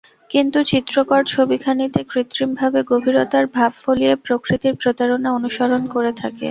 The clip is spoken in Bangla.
কিন্তু চিত্রকর ছবিখানিতে কৃত্রিমভাবে গভীরতার ভাব ফলিয়ে প্রকৃতির প্রতারণা অনুকরণ করে থাকে।